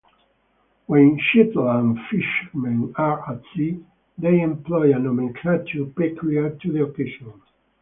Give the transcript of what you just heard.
When Shetland fishermen are at sea, they employ a nomenclature peculiar to the occasion.